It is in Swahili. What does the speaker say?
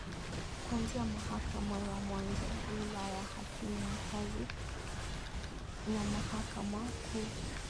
Kuanzia Mahakama ya Mwanzo Wilaya Hakimu Mkazi na Mahakama Kuu